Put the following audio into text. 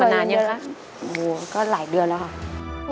มายก็หลายเดือนแล้วครับ